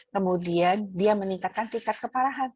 kemudian dia meningkatkan tingkat keparahan